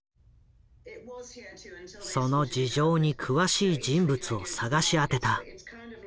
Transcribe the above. その事情に詳しい人物を探し当てた。